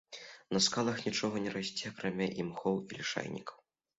На скалах нічога не расце акрамя імхоў і лішайнікаў.